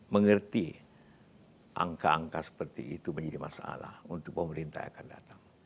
mengerti angka angka seperti itu menjadi masalah untuk pemerintah yang akan datang